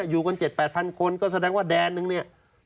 อยู่กัน๗๘๐๐คนก็แสดงว่าแดนนึงเนี่ย